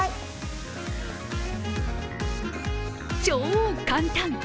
超簡単！